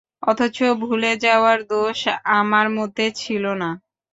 অথচ ভুলে যাওয়ার দোষ আমার মধ্যে ছিল না।